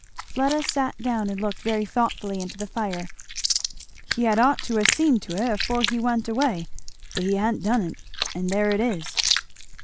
Fleda sat down and looked very thoughtfully into the fire. "He had ought to ha' seen to it afore he went away, but he ha'n't done it, and there it is."